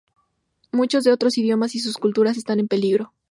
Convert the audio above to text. Muchos de estos idiomas y sus culturas están en peligro.